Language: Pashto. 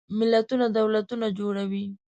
ملتونه دولتونه جوړوي.